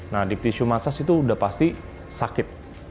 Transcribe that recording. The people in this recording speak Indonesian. nah deep tissue massage itu udah pasti sakit